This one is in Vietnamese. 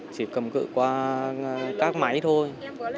chỉ cầm cự qua các máy thôi